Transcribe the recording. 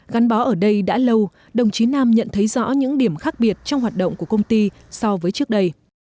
gắn bó ở đây đã lâu đồng chí nam nhận thấy rõ những điểm khác biệt trong hoạt động của công ty so với trước đây